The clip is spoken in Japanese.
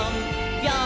ぴょん！